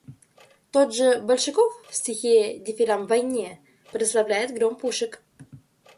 Тот же Большаков в стихе «Дифирамб войне» прославляет гром пушек.